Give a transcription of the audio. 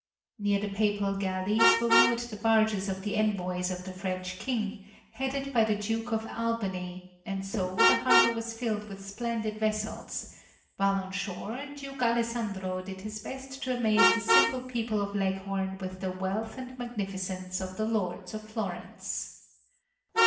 Near the Papal galleys were moored the barges of the envoys of the French King, headed by the Duke of Albany, and so the harbor was filled with splendid vessels, while on shore Duke Alessandro did his best to amaze the simple people of Leghorn with the wealth and magnificence of the Lords of Florence.